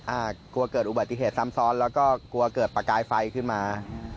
กลัวเกิดอุบัติเหตุซ้ำซ้อนแล้วก็กลัวเกิดประกายไฟขึ้นมา